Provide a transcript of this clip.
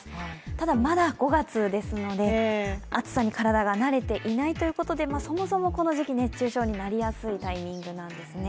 ただまだ５月ですので、暑さに体が慣れていないということでそもそもこの時期、熱中症になりやすいタイミングなんですね。